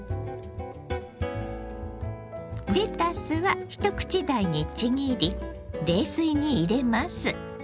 レタスは一口大にちぎり冷水に入れます。